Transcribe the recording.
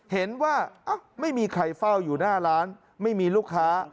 เห็นว่าไม่มีใครเฝ้าอยู่หน้าร้านไม่มีลูกค้า